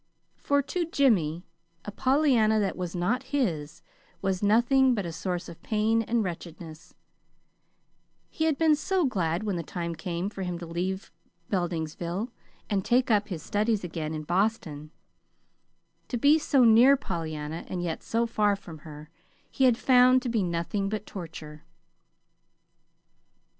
For, to Jimmy, a Pollyanna that was not his was nothing but a source of pain and wretchedness; and he had been so glad when the time came for him to leave Beldingsville and take up his studies again in Boston: to be so near Pollyanna, and yet so far from her, he had found to be nothing but torture.